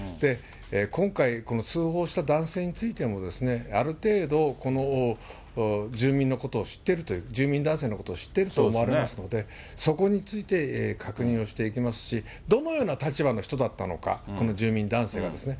今回、この通報した男性についても、ある程度、この住人のことを知っているという、住人男性のことを知っていると思われますので、そこについて確認をしていきますし、どのような立場の人だったのか、この住民男性がですね。